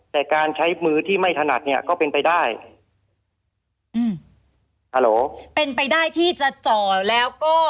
แต่การใช้มือที่ไม่ถนัดเนี้ยก็เป็นไปได้อืมฮัลโหลเป็นไปได้ที่จะจ่อแล้วก็